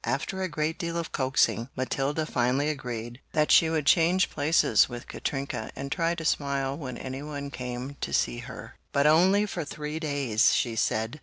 After a great deal of coaxing, Matilda finally agreed that she would change places with Katrinka and try to smile when anyone came to see her. "But only for three days!" she said.